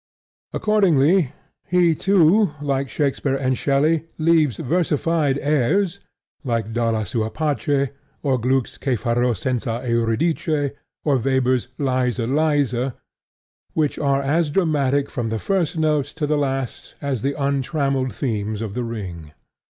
Accordingly, he too, like Shakespeare and Shelley, leaves versified airs, like Dalla sua pace, or Gluck's Che fare senza Euridice, or Weber's Leise, leise, which are as dramatic from the first note to the last as the untrammelled themes of The Ring.